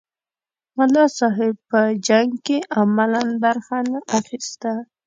ملا صاحب په جنګ کې عملاً برخه نه اخیستله.